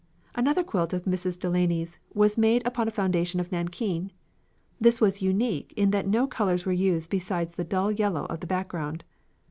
Another quilt of Mrs. Delany's was made upon a foundation of nankeen. This was unique in that no colours were used besides the dull yellow of the background.